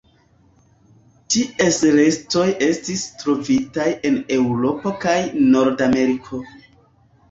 Ties restoj estis trovitaj en Eŭropo kaj Nordameriko.